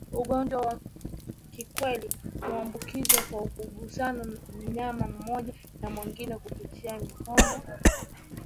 Ugonjwa wa kiwele huambukizwa kwa kugusana mnyama mmoja na mwingine kupitia mikono iliyoambukizwa